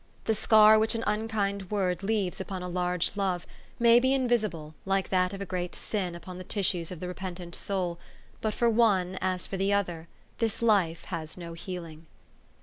The scar which an unkind word leaves upon a large love, may be invisible, like that of a great sin upon the tissues of the repentant soul ; but for one as for the other, this life has no healing.